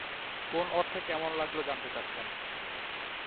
কোন অর্থে কেমন লাগল জানতে চাচ্ছেন?